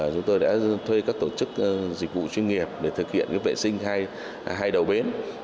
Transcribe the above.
chúng tôi đã thuê các tổ chức dịch vụ chuyên nghiệp để thực hiện vệ sinh thay hai đầu bến